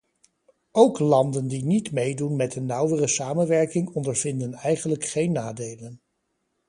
Ook landen die niet meedoen met de nauwere samenwerking ondervinden eigenlijk geen nadelen.